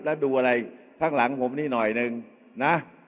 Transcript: แล้วดูอะไรข้างหลังผมนี่หน่อยหนึ่งนะ